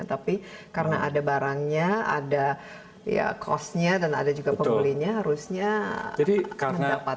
tapi karena ada barangnya ada ya cost nya dan ada juga pemuli nya harusnya mendapatkan sesuatu